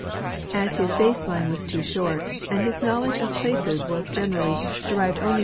As his base line was too short and his knowledge of places was generally derived only 1— Nat.